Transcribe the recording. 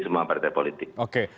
semua partai politik